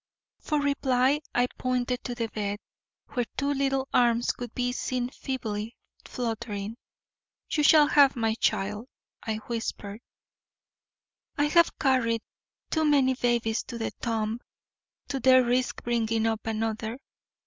For reply I pointed to the bed, where two little arms could be seen feebly fluttering. "You shall have my child," I whispered. "I have carried too many babies to the tomb to dare risk bringing up another."